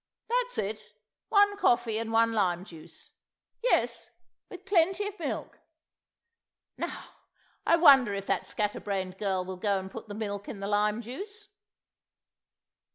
... That's it, one coffee and one lime juice. ... Yes, with plenty of milk. ... Now, I wonder if that scatter brained girl will go and put the milk in the lime juice?